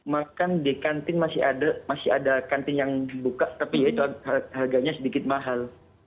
makan di kantin masih ada masih ada kantin yang buka tapi itu harganya sedikit mahal